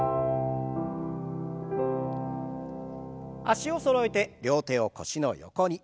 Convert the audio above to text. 脚をそろえて両手を腰の横に。